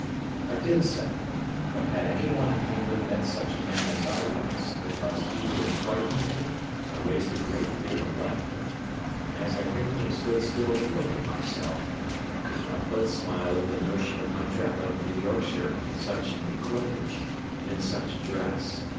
I did so; but had any one in England met such a man as I was, it must either have frightened him, or raised a great deal of laughter; and as I frequently stood still to look at myself, I could not but smile at the notion of my travelling through Yorkshire with such an equipage, and in such a dress.